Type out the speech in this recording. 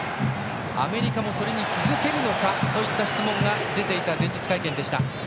アメリカもそれに続けるのかといった質問が出ていた前日会見でした。